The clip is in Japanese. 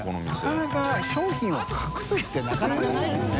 覆覆商品を隠すってなかなかないよね。